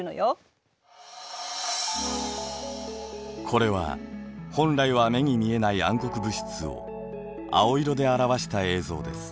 これは本来は目に見えない暗黒物質を青色で表した映像です。